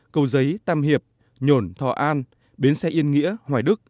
cầu giấy tam hiệp nhồn thò an bến xe yên nghĩa hoài đức